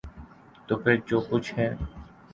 تو پھر جو کچھ ہے۔